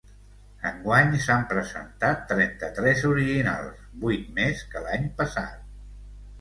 Enguany s’han presentat trenta-tres originals, vuit més que l’any passat.